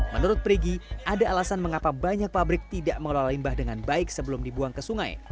menurut perigi ada alasan mengapa banyak pabrik tidak mengelola limbah dengan baik sebelum dibuang ke sungai